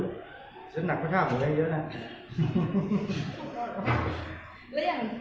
หรือเหรอฉันนักก็คร่าวห๋อมูลเราให้เยอะแล้ว